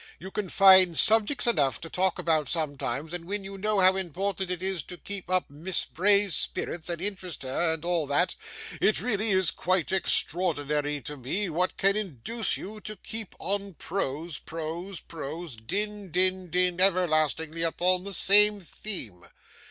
You can find subjects enough to talk about sometimes, and when you know how important it is to keep up Miss Bray's spirits, and interest her, and all that, it really is quite extraordinary to me what can induce you to keep on prose, prose, prose, din, din, din, everlastingly, upon the same theme.